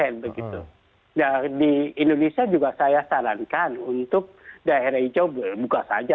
nah di indonesia juga saya sarankan untuk daerah hijau buka saja